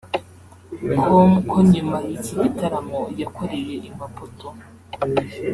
com ko nyuma y’iki gitaramo yakoreye i Maputo